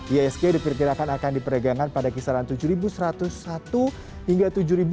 isg diperkirakan akan diperdagangan pada kisaran tujuh ribu satu ratus satu hingga tujuh ribu dua ratus sembilan puluh dua